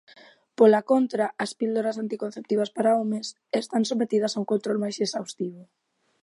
Pola contra, as píldoras anticonceptivas para homes están sometidas a un control máis exhaustivo.